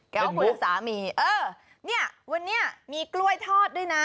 ว่าคุณสามีเออเนี่ยวันนี้มีกล้วยทอดด้วยนะ